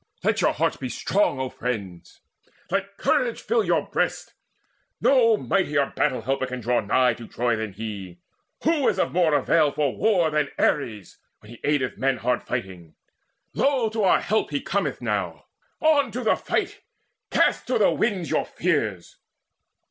Let your hearts Be strong, O friends: let courage fill your breasts. No mightier battle helper can draw nigh To Troy than he. Who is of more avail For war than Ares, when he aideth men Hard fighting? Lo, to our help he cometh now! On to the fight! Cast to the winds your fears!"